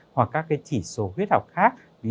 hoặc các cái chỉ số huyết học khác